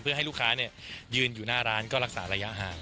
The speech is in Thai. เพื่อให้ลูกค้ายืนอยู่หน้าร้านก็รักษาระยะห่าง